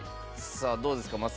さあどうですか？